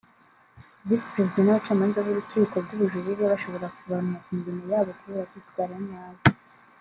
Visi Perezida n’abacamanza b’Urukiko rw’Ubujurire bashobora kuvanwa ku mirimo yabo kubera kwitwara nabi